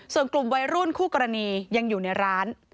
ส่วนกลุ่มวัยรุ่นคู่กรณียังอยู่ในร้าน